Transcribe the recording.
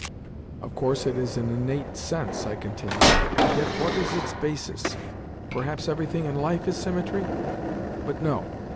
Of course it is an innate sense," I continued; "yet what is its basis? Perhaps everything in life is symmetry? But no.